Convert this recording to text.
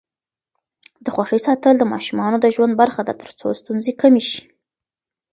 د خوښۍ ساتل د ماشومانو د ژوند برخه ده ترڅو ستونزې کمې شي.